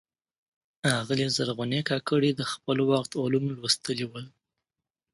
آغلي زرغونې کاکړي د خپل وخت علوم لوستلي ول.